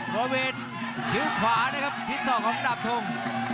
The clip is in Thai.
โมเวทถือขวานะครับทิศ๒ของดับทง